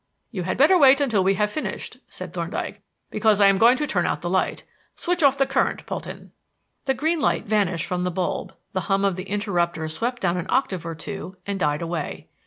"You had better wait until we have finished," said Thorndyke, "because I am going to turn out the light. Switch off the current, Polton." The green light vanished from the bulb, the hum of the interrupter swept down an octave or two and died away.